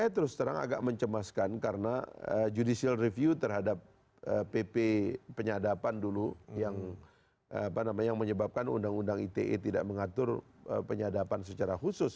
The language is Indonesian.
terima kasih pak faris